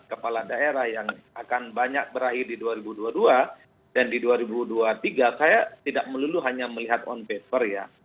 kepala daerah yang akan banyak berakhir di dua ribu dua puluh dua dan di dua ribu dua puluh tiga saya tidak melulu hanya melihat on paper ya